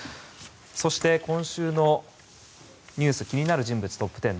そして今週のニュース気になる人物トップ１０。